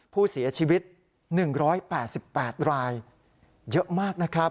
ผู้เสียชีวิต๑๘๘รายเยอะมากนะครับ